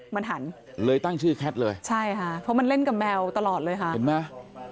มันหันเลยตั้งชื่อแคทเลยใช่ค่ะเพราะมันเล่นกับแมวตลอดเลยค่ะเห็นไหม